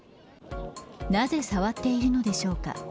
なぜ触っているのでしょうか。